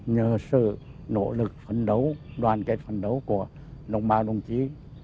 nhờ sự nỗ lực phấn đấu đoàn kết phấn đấu của đồng bào đồng chí